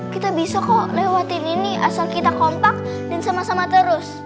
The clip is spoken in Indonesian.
kita bisa kok lewatin ini asal kita kompak dan sama sama terus